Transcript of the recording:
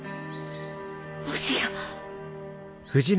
もしや。